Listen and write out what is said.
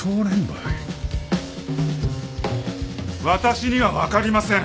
私には分かりません。